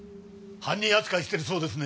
犯人扱いしてるそうですね